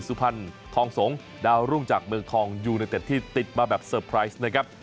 สุพรรณทองสงฆ์ดาวรุ่งจากเมืองทองยูเนเต็ดที่ติดมาแบบเซอร์ไพรส์นะครับ